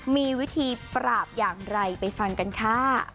มีวิธีปราบอย่างไรไปฟังกันค่ะ